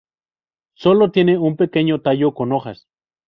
Sólo tiene un pequeño tallo con hojas.